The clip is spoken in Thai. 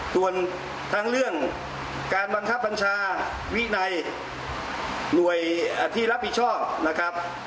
ส่วนทั้งเรื่องการบังคับบัญชาวินัยหน่วยที่รับผิดชอบนะครับ